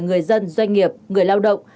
người dân doanh nghiệp người lao động